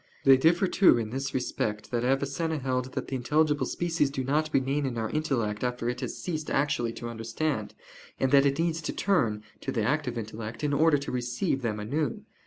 They differ, too, in this respect, that Avicenna held that the intelligible species do not remain in our intellect after it has ceased actually to understand, and that it needs to turn (to the active intellect) in order to receive them anew.